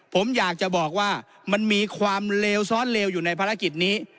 ผมอยากจะบอกว่ามันมีความเลวซ้อนเลวอยู่ในภารกิจนี้